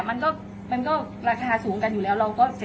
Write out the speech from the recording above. มันก็ราคาสูงกันอยู่แล้ว